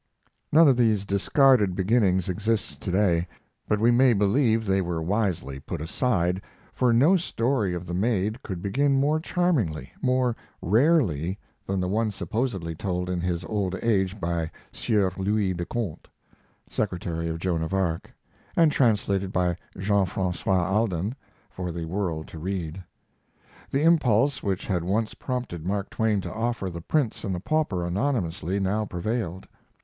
None of these discarded beginnings exists to day, but we may believe they were wisely put aside, for no story of the Maid could begin more charmingly, more rarely, than the one supposedly told in his old age by Sieur Louis de Conte, secretary of Joan of Arc, and translated by Jean Francois Alden for the world to read. The impulse which had once prompted Mark Twain to offer The Prince and the Pauper anonymously now prevailed.